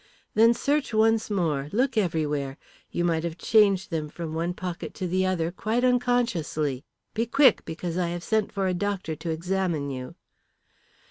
"Then search once more look everywhere. You might have changed them from one pocket to the other quite unconsciously. Be quick, because I have sent for a doctor to examine you."